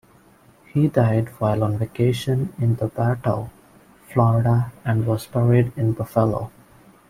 He died while on vacation in Bartow, Florida and was buried in Buffalo.